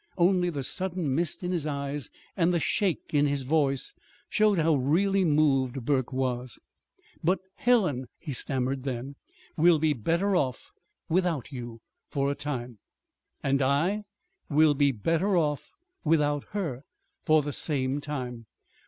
Only the sudden mist in his eyes and the shake in his voice showed how really moved Burke was. "But Helen," he stammered then. "Will be better off without you for a time." "And I?" "Will be better off without her for the same time.